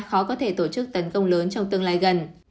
khó có thể tổ chức tấn công lớn trong tương lai gần